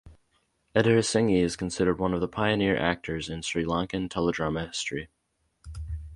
Edirisinghe is considered one of the pioneer actors in Sri Lankan teledrama history.